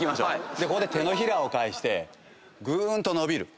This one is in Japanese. でここで手のひらを返してぐーんと伸びる。